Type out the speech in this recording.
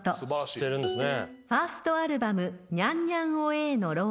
知ってるんですね。